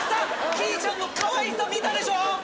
キィーちゃんのかわいさ見たでしょう？